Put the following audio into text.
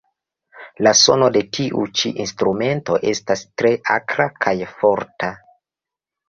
La sono de tiu ĉi instrumento estas tre akra kaj forta.